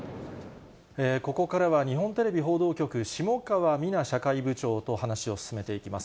ここからは日本テレビ報道局、下川美奈社会部長と話を進めていきます。